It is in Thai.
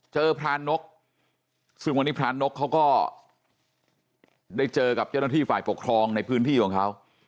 พระนกซึ่งวันนี้พระนกเขาก็ได้เจอกับเจ้าหน้าที่ฝ่ายปกครองในพื้นที่ของเขา